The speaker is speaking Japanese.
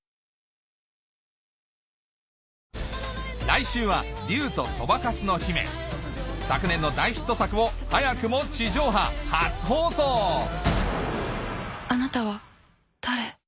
来週は昨年の大ヒット作を早くも地上波初放送あなたは誰？